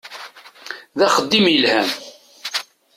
D axeddim yelhan.